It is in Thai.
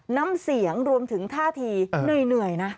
น้ำเสียงรวมถึงท่าทีเหนื่อยนะ